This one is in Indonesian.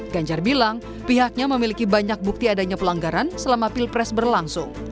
ganjar bilang pihaknya memiliki banyak bukti adanya pelanggaran selama pilpres berlangsung